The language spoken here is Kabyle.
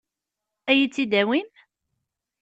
Ad iyi-tt-id-tawim?